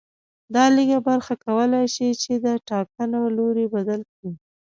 دا لږه برخه کولای شي چې د ټاکنو لوری بدل کړي